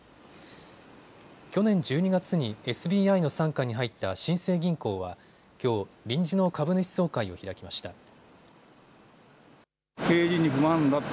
去年１２月にＳＢＩの傘下に入った新生銀行はきょう臨時の株主総会を開きました。